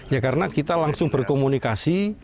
ya karena kita langsung berkomunikasi